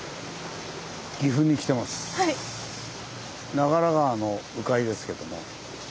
長良川の鵜飼ですけども。